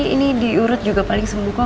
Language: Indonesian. ini diurut juga paling sembuh kok